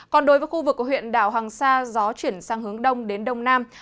còn đối với khu vực của huyện đảo hoàng sa gió chuyển sang hướng đông đến đông nam